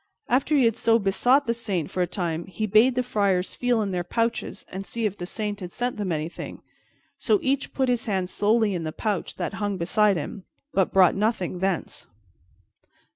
After he had so besought the Saint for a time, he bade the friars feel in their pouches and see if the Saint had sent them anything; so each put his hand slowly in the pouch that hung beside him, but brought nothing thence.